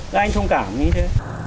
đã anh thông cảm như thế